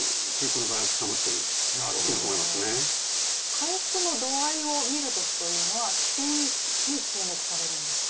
回復の度合いを見る時というのは視点に注目されるんですか？